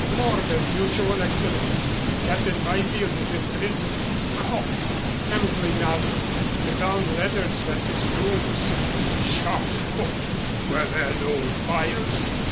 "More than usual, Excellenz. Captain Byfield is in prison." "Caught!" Hammersley nodded. "They found letters at his rooms." "Schafskopf! Were there no fires?"